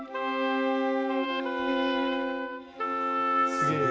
すげえ！